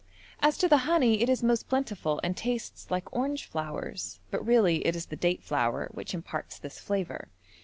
As to the honey it is most plentiful and tastes like orange flowers, but really it is the date flower which imparts this flavour.